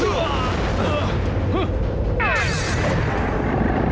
itu kan prateras chnakah para penyelamatnya